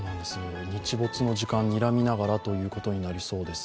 日没の時間をにらみながらということになりそうです。